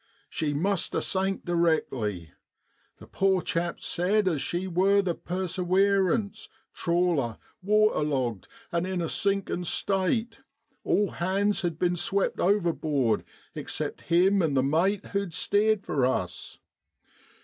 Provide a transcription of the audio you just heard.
She must ha' sank directly. The poor chap said as she wor the Persewerance, trawler, waterlogged, and in a sinkin' state, all hands had bin swept overboard except him, and the mate who'd steered for us.